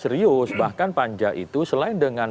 serius bahkan panja itu selain dengan